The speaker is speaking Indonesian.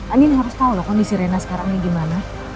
andi harus tau loh kondisi reina sekarang ini gimana